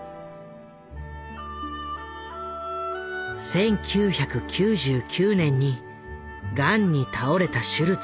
１９９９年にがんに倒れたシュルツ。